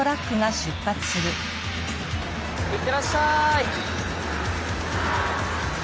いってらっしゃい。